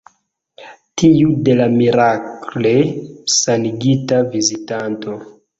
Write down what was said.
Tiu de la mirakle sanigita vizitanto.